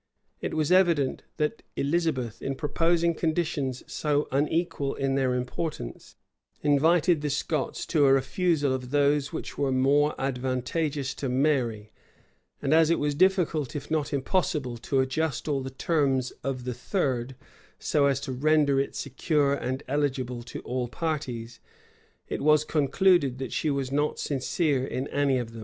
It was evident that Elizabeth, in proposing conditions so unequal in their importance, invited the Scots to a refusal of those which were most advantageous to Mary; and as it was difficult, if not impossible, to adjust all the terms of the third, so as to render it secure and eligible to all parties, it was concluded that she was not sincere in any of them.